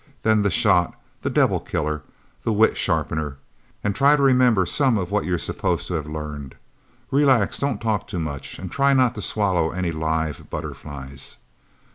Then the shot, the devil killer, the wit sharpener. And try to remember some of what you're supposed to have learned. Relax, don't talk too much, and try not to swallow any live butterflies."